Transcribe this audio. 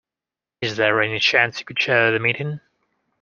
Is there any chance that you could chair the meeting?